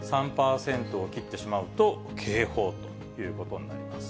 ３％を切ってしまうと警報ということになります。